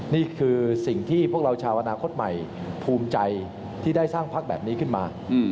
นี่คือสิ่งที่พวกเราชาวอนาคตใหม่ภูมิใจที่ได้สร้างพักแบบนี้ขึ้นมา